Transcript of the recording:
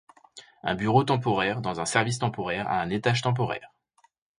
Un bureau temporaire, dans un service temporaire, à un étage temporaire.